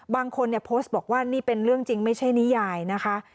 บางคนเนี่ยโพสต์บอกว่านี่เป็นเรื่องจริงไม่ใช่นิยายนะคะ